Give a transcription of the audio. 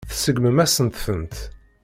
Tseggmem-asent-tent.